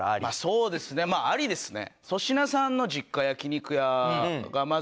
そうですねまぁありですね。